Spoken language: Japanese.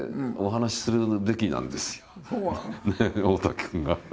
大滝君が。